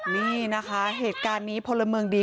นี่นะคะเหตุการณ์นี้พลเมืองดี